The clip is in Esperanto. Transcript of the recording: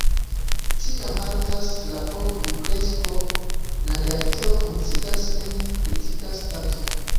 Tiam haltas la povum-kresko, la reaktoro funkcias en "kritika stato".